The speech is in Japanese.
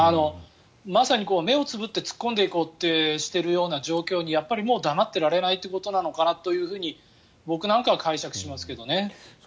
まさに目をつぶって突っ込んでいこうとしている状況にやっぱりもう黙ってられないということなのかなと僕なんかは解釈しますけどね。